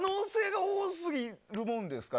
可能性が多すぎるもんですから。